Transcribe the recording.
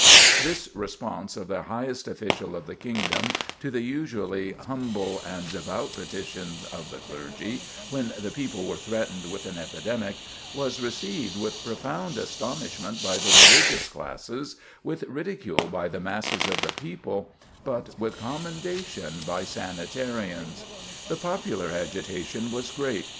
This response of the highest official of the Kingdom to the usually humble and devout petition of the clergy, when the people were threatened with an epidemic, was received with profound astonishment by the religious classes, with ridicule by the masses of the people, but with commendation by sanitarians. The popular agitation was great.